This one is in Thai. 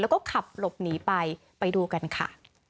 แล้วก็ขับหลบหนีไปไปดูกันค่ะ